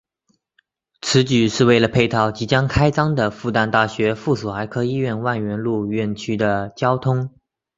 此举是为了配套即将开张的复旦大学附属儿科医院万源路院区的交通。